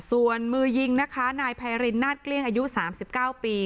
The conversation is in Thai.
ส่วนมือยิงนะคะนายไพรินนาดเกลี้ยงอายุ๓๙ปี